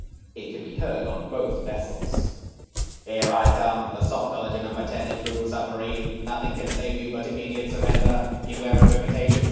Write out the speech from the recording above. It could be heard on both vessels : ^^Here I come. The Sockdolager No. 10, improved submarine. Nothing can save you but immediate sur render. Beware of imitations.